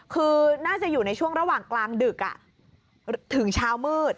คือน่าจะอยู่ในช่วงระหว่างกลางดึกถึงเช้ามืด